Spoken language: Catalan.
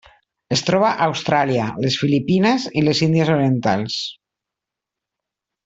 Es troba a Austràlia les Filipines i les Índies Orientals.